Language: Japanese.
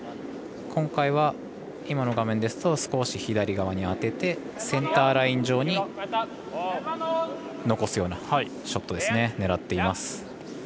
今回は今の画面ですと少し左側に当ててセンターライン上に残すようなショットを狙っています。